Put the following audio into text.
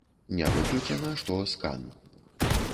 Не выключана, што з кан.